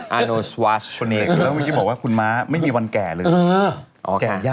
โนสวัสดิ์แล้วเมื่อกี้บอกว่าคุณม้าไม่มีวันแก่เลย